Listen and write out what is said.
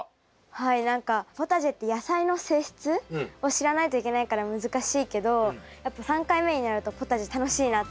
はい何かポタジェって野菜の性質を知らないといけないから難しいけどやっぱ３回目になるとポタジェ楽しいなって思いました。